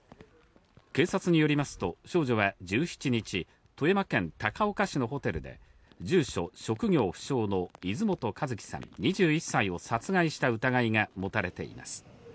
警察によりますと、少女は１７日、富山県高岡市のホテルで、住所職業不詳の泉本和希さん２１歳を殺害した疑いが持たれています。